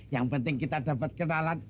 yang penting kita dapat kenalan